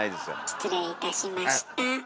失礼いたしました。